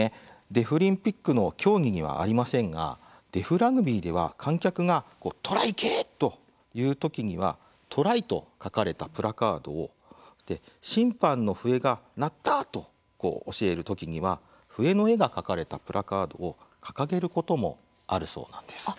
デフリンピックの競技にはありませんが、デフラグビーでは観客がトライいけ、という時には「トライ」と書かれたプラカードを審判の笛が鳴ったと教える時には笛の絵が描かれたプラカードを掲げることもあるそうなんです。